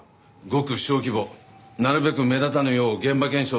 ごく小規模なるべく目立たぬよう現場検証